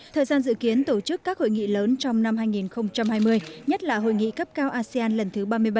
thời gian dự kiến tổ chức các hội nghị lớn trong năm hai nghìn hai mươi nhất là hội nghị cấp cao asean lần thứ ba mươi bảy